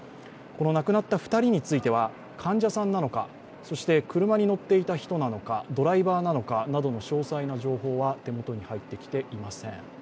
亡くなった２人については、患者さんなのか、車に乗っていた人なのか、ドライバーなのかなどの詳細な情報は手元に入ってきていません。